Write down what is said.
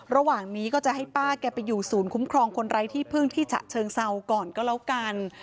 ระหว่างนี้ก็จะให้ป้าแกไปอยู่ศูนย์คุ้มครองคนไร้ที่พึ่งที่ฉะเชิงเซาก่อนก็แล้วกัน